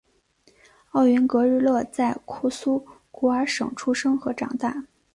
奥云格日勒在库苏古尔省出生和长大。